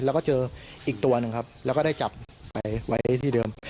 แล้วก็เจออีกตัวหนึ่งครับแล้วก็ได้จับไปไว้ที่เดิม